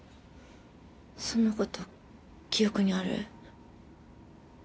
そのこと記憶にある？